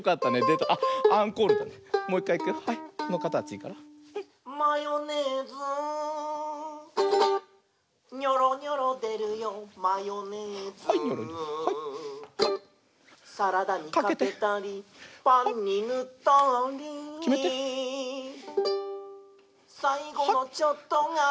「パンにぬったり」「さいごのちょっとが」